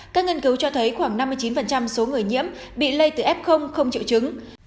các nghiên cứu cho thấy khoảng năm mươi chín số người nhiễm bị lây từ f không triệu chứng